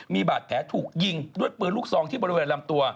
มีบาดแผลถูกยิงด้วยปืนลูกซองที่บริเวณลำตัว